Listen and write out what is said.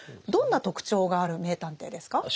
どんな特徴がある名探偵ですか？